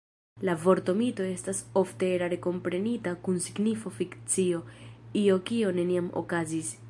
La vorto mito estas ofte erare komprenita kun signifo fikcio, io kio neniam okazis.